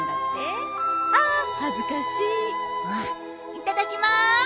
いただきます！